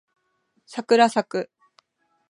さくらさく